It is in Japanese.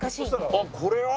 あっこれは？